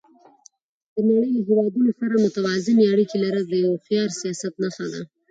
د نړۍ له هېوادونو سره متوازنې اړیکې لرل د یو هوښیار سیاست نښه ده.